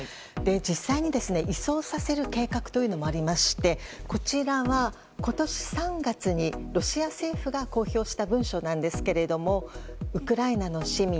実際に移送させる計画というのもありましてこちらは、今年３月にロシア政府が公表した文書なんですがウクライナの市民